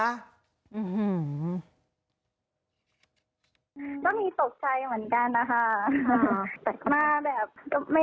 ก็มีตกใจเหมือนกันนะคะ